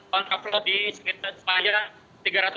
kontraplot di sekitar